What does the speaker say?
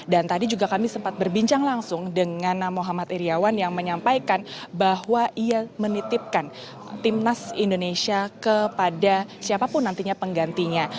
dan tadi juga kami sempat berbincang langsung dengan muhammad iryawan yang menyampaikan bahwa ia menitipkan timnas indonesia kepada siapapun nantinya penggantinya